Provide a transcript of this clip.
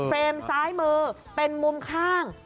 ซ้ายมือเป็นมุมข้าง